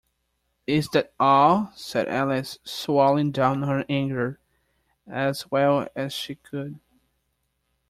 ‘Is that all?’ said Alice, swallowing down her anger as well as she could.